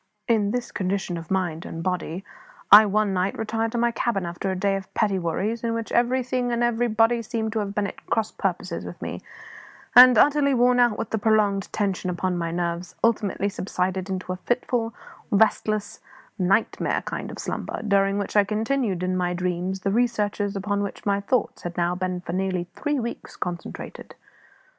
In this condition of mind and body I one night retired to my cabin after a day of petty worries, in which everything and everybody seemed to have been at cross purposes with me, and utterly worn out with the prolonged tension upon my nerves ultimately subsided into a fitful, restless, nightmare kind of slumber, during which I continued in my dreams the researches upon which my thoughts had now been for nearly three weeks concentrated.